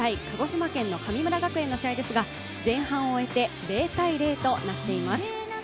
鹿児島県の神村学園の試合ですが前半を終えて０−０となっています。